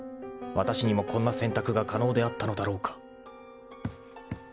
［わたしにもこんな選択が可能であったのだろうか？］